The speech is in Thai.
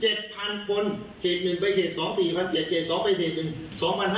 เศษ๑ไปเศษ๒๔๐๐๐เศษ๒ไปเศษ๑